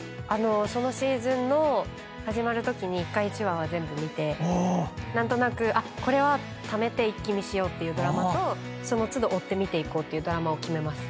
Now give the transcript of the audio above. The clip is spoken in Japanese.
そのシーズンの始まるときに１回１話は全部見て何となくこれはためて一気見しようっていうドラマとその都度追って見ていこうっていうドラマを決めます。